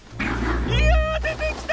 いや出てきた！